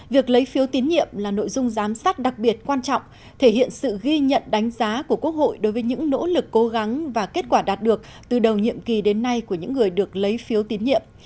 việc lấy phiếu tín nhiệm là nội dung giám sát đặc biệt quan trọng thể hiện sự ghi nhận đánh giá của quốc hội đối với những nỗ lực cố gắng và kết quả đạt được từ đầu nhiệm kỳ đến nay của những người được lấy phiếu tín nhiệm